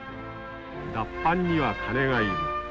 「脱藩には金が要る。